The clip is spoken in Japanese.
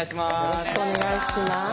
よろしくお願いします。